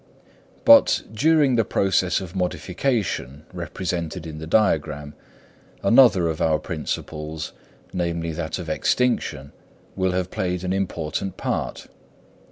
But during the process of modification, represented in the diagram, another of our principles, namely that of extinction, will have played an important part.